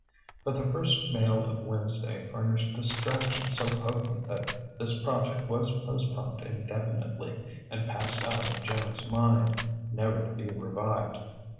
But the first mail of Wednesday furnished distractions so potent that this project was postponed indefinitely and passed out of Joan's mind, never to be revived.